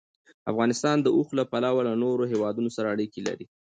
افغانستان د اوښ له پلوه له نورو هېوادونو سره اړیکې لري.